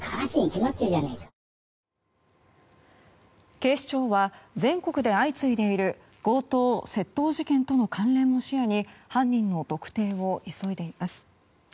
警視庁は全国で相次いでいる強盗・窃盗事件との関連も視野に犯人の特定を急いでいます。